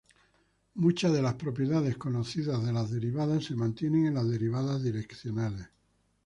Muchas de las propiedades conocidas de las derivadas se mantienen en las derivadas direccionales.